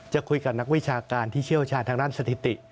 จะคุยกับนักวิชาการที่เชี่ยวชาญทางด้านสถิติ